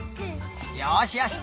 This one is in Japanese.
よしよし